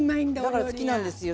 だから好きなんですよ